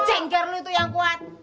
jengger lo itu yang kuat